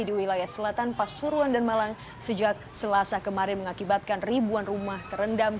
di wilayah selatan pasuruan dan malang sejak selasa kemarin mengakibatkan ribuan rumah terendam